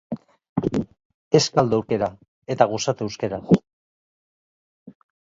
Ez galdu aukera, eta gozatu euskaraz!